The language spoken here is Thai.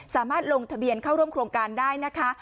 สามารถลงทะเบียนเข้าร่วมโครงการได้นะคะ